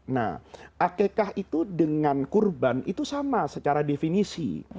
nah akekah itu dengan kurban itu sama secara definisi